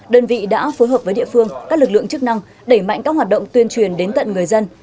đơn vị đã phối hợp với địa phương các lực lượng chức năng đẩy mạnh các hoạt động tuyên truyền đến tận người dân